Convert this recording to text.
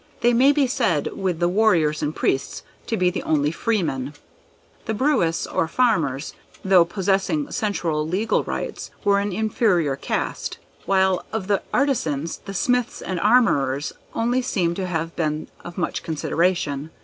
They may be said with the warriors and priests to be the only freemen. The Bruais, or farmers, though possessing certain legal rights, were an inferior caste; while of the Artisans, the smiths and armorers only seem to have been of much consideration.